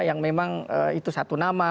yang memang itu satu nama